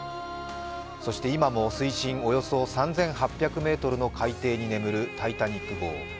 今も、水深およそ３８００ｍの海底に眠る「タイタニック」号。